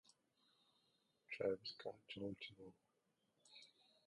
Stay positive.